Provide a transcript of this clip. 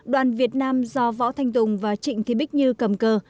đoàn việt nam do võ thanh tùng và trịnh thí bích như cầm cơ